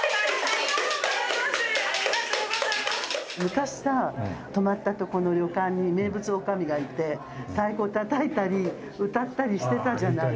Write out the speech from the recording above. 昔さ泊まったとこの旅館に名物女将がいて太鼓を叩いたり歌ったりしてたじゃないですか。